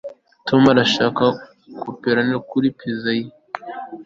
Tom arashaka pepperoni kuri pizza ye